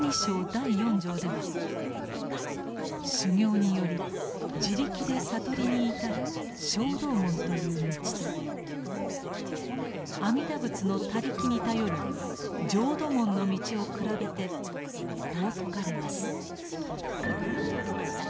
第四条では修行により自力で悟りに至る「聖道門」という道と阿弥陀仏の他力に頼る「浄土門」の道を比べてこう説かれます。